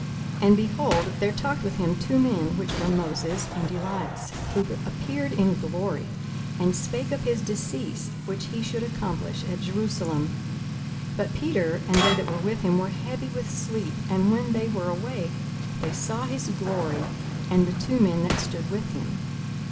42:009:030 And, behold, there talked with him two men, which were Moses and Elias: 42:009:031 Who appeared in glory, and spake of his decease which he should accomplish at Jerusalem. 42:009:032 But Peter and they that were with him were heavy with sleep: and when they were awake, they saw his glory, and the two men that stood with him.